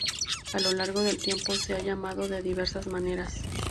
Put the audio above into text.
A lo largo del tiempo se ha llamado de diversas maneras.